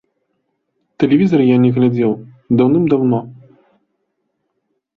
Тэлевізар я не глядзеў даўным-даўно.